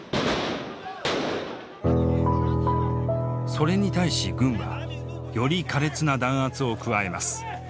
それに対し軍はより苛烈な弾圧を加えます。